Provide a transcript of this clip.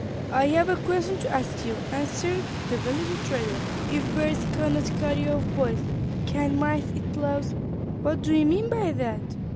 "I have a question to ask you," answered the village trader. "If birds cannot carry off boys, can mice eat plows?" "What do you mean by that?"